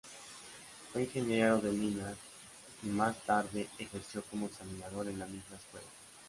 Fue ingeniero de minas y, más tarde, ejerció como examinador en la misma escuela.